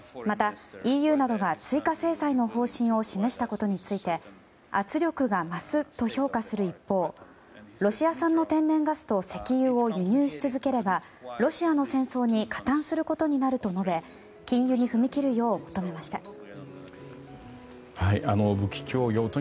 また、ＥＵなどが追加制裁の方針を示したことについて圧力が増すと評価する一方ロシア産の天然ガスと石油を輸入し続ければロシアの戦争に加担することになると述べ禁輸に踏み切るよう求めました。